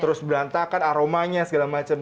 terus berantakan aromanya segala macam